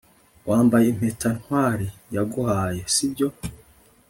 wambaye impeta ntwali yaguhaye, sibyo